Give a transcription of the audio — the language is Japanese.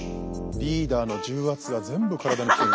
リーダーの重圧が全部体に来てる。